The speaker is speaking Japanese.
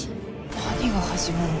何が始まるんだ？